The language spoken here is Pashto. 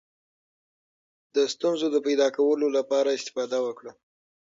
د ستونزو د پیدا کولو لپاره استفاده وکړه.